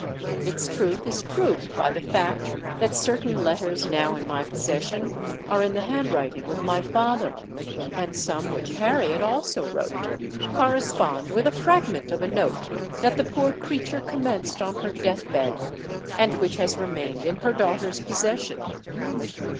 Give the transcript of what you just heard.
Its truth is proved by the fact that certain letters now in my possession are in the handwriting of my father; and some which Harriet also wrote, correspond with a fragment of a note that the poor creature commenced on her death bed, and which has remained in her daughter's possession.